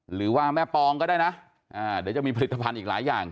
หรือว่าแม่ปองก็ได้นะเดี๋ยวจะมีผลิตภัณฑ์อีกหลายอย่าง